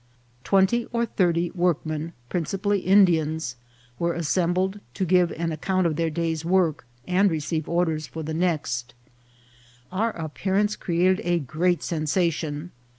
Twenty or thirty work men, principally Indians, were assembled to give an account of their day's work, and receive orders for the next. Our appearance created a great sensation.